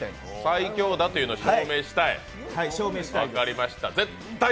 最強だというのを証明したい、分かりました。